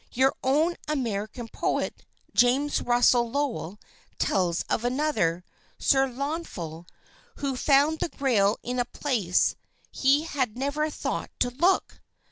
"Your own American poet, James Russell Lowell, tells of another, Sir Launfal, who found the Grail in a place he had never thought to look."